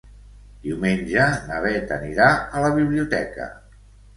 Diumenge na Bet anirà a la biblioteca.